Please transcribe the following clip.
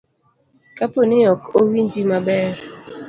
kapo ni ok owinji maber.